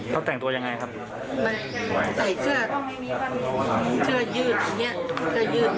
เขาแต่งตัวยังไงครับไม่ใส่เสื้อเสื้อยืดอย่างเงี้ยเสื้อยืด